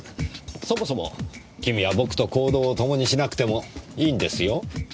そもそも君は僕と行動をともにしなくてもいいんですよ？